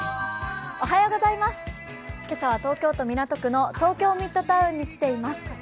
今朝は東京都港区の東京ミッドタウンに来ています。